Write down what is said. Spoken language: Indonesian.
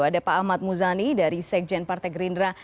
ada pak ahmad muzani dari sekjen partai gerindra